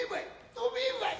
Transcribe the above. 飛べまい。